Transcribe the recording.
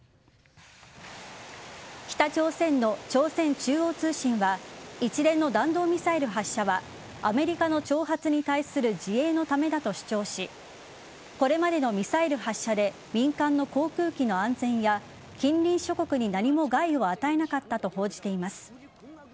北朝鮮の朝鮮中央通信は一連の弾道ミサイル発射はアメリカの挑発に対する自衛のためだと主張しこれまでのミサイル発射で民間の航空機の安全や近隣諸国に何も害を与えなかったと報じています。